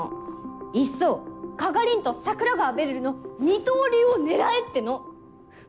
いっそ加賀凛と桜川べるるの二刀流を狙えっての！